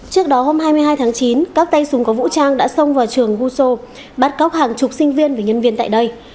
hôm hai mươi hai tháng chín các tay súng có vũ trang đã xông vào trường guso bắt cóc hàng chục sinh viên và nhân viên tại đây